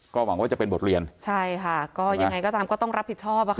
ก็หวังว่าจะเป็นบทเรียนใช่ค่ะก็ยังไงก็ตามก็ต้องรับผิดชอบอะค่ะ